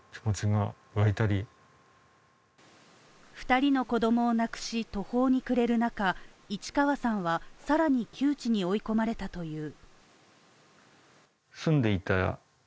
２人の子供を亡くし、途方に暮れる中、市川さんはさらに窮地に追い込まれたという。